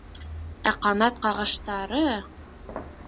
Ә ҡанат ҡағыштары!